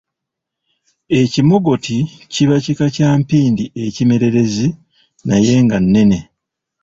Ekimogoti kiba kika kya mpindi ekimererezi naye nga nnene